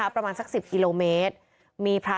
ประมาณสัก๑๐กิโลเมตร